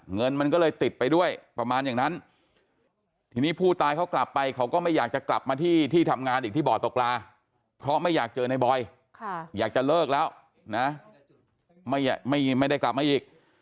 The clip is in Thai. เงินมันก็เลยติดไปด้วยประมาณอย่างนั้นทีนี้ผู้ตายเขากลับไปเขาก็ไม่อยากจะกลับมาที่ที่ทำงานอีกที่บ่อตกปลาเพราะไม่อยากเจอในบอยอยากจะเลิกแล้วนะไม่ได้กลับมาอีก